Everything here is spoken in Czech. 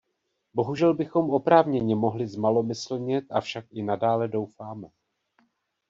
Bohužel bychom oprávněně mohli zmalomyslnět, avšak i nadále doufáme.